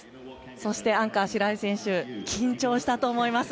そしてアンカー、白井選手緊張したと思います。